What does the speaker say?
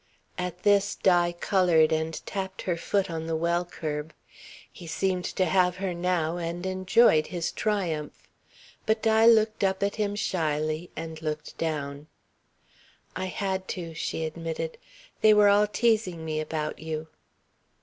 At this Di coloured and tapped her foot on the well curb. He seemed to have her now, and enjoyed his triumph. But Di looked up at him shyly and looked down. "I had to," she admitted. "They were all teasing me about you."